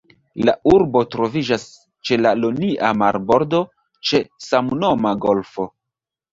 La urbo troviĝas ĉe la Ionia marbordo, ĉe samnoma golfo.